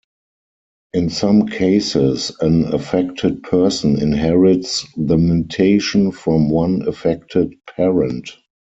In some cases, an affected person inherits the mutation from one affected parent.